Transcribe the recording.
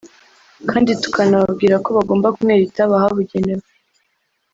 kandi tukanababwira ko bagomba kunywera itabi ahabugenewe